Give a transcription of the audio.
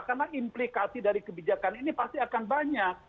karena implikasi dari kebijakan ini pasti akan banyak